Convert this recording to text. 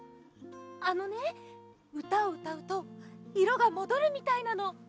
あのねうたをうたうといろがもどるみたいなの。